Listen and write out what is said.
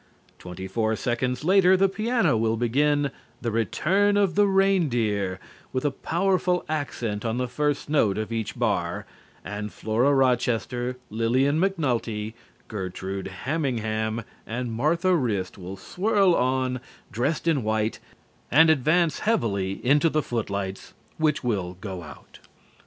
Twenty four seconds later the piano will begin "The Return of the Reindeer" with a powerful accent on the first note of each bar, and Flora Rochester, Lillian McNulty, Gertrude Hamingham and Martha Wrist will swirl on, dressed in white, and advance heavily into the footlights, which will go out.